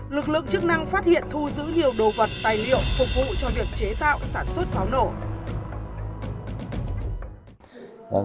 lực lượng chức năng phát hiện thu giữ nhiều đồ vật tài liệu phục vụ cho việc chế tạo sản xuất pháo nổ